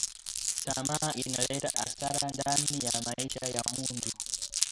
Tamaa inaleta asara ndani ya maisha ya muntu